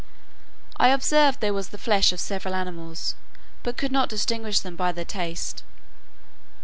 I observed there was the flesh of several animals, but could not distinguish them by the taste.